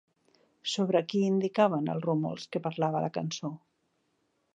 Sobre qui indicaven els rumors que parlava la cançó?